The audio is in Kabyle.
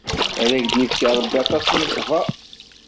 Ad ak-d-yefk Rebbi aṭas n ssber.